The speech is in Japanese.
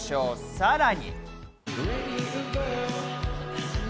さらに。